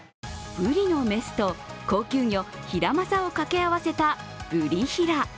ブリの雌と高級魚ヒラマサをかけ合わせたブリヒラ。